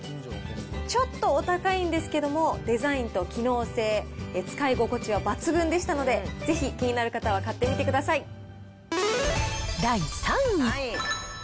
ちょっとお高いんですけども、デザインと機能性、使い心地は抜群でしたので、ぜひ気になる方は第３位。